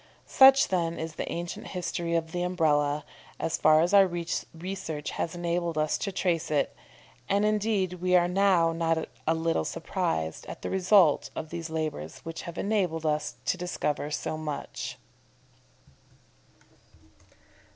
Such, then, is the ancient history of the Umbrella, as far as our research has enabled us to trace it, and, indeed, we are now not a little surprised at the result of those labours which have enabled us to discover so much.